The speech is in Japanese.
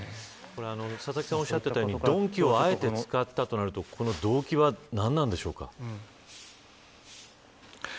佐々木さんがおっしゃっていたように、鈍器をあえて使ったとなると動機は何なんでしょうか。